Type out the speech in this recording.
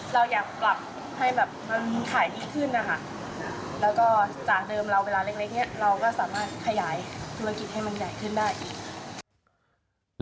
แล้วก็จากเดิมเราเวลาเล็กเนี่ยเราก็สามารถขยายธุรกิจให้มันใหญ่ขึ้นได้อีก